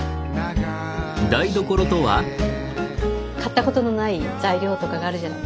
買ったことのない材料とかがあるじゃない。